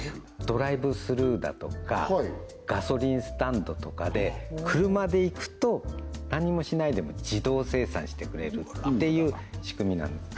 ドライブスルーだとかガソリンスタンドとかで車で行くと何もしないでも自動精算してくれるっていう仕組みなんです